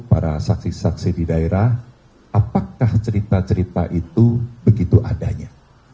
para saksi saksi di daerah apakah cerita cerita itu begitu adanya